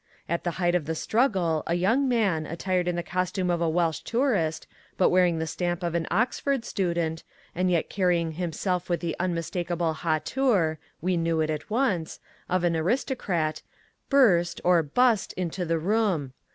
At the height of the struggle a young man, attired in the costume of a Welsh tourist, but wearing the stamp of an Oxford student, and yet carrying himself with the unmistakable hauteur (we knew it at once) of an aristocrat, burst, or bust, into the room.